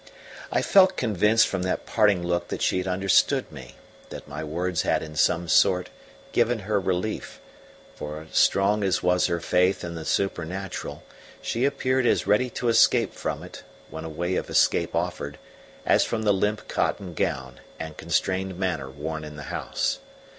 I felt convinced from that parting look that she had understood me, that my words had in some sort given her relief; for, strong as was her faith in the supernatural, she appeared as ready to escape from it, when a way of escape offered, as from the limp cotton gown and constrained manner worn in the house.